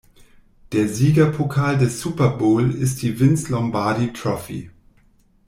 Der Siegerpokal des Super Bowl ist die "Vince Lombardi Trophy".